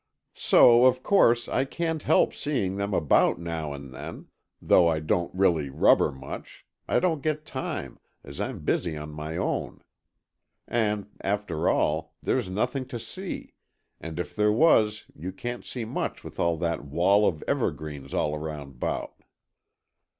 "So, of course, I can't help seeing them about now and then, though I don't really rubber much—I don't get time, as I'm busy on my own. And, after all, there's nothing to see, and if there was, you can't see much with all that wall of evergreens all round about."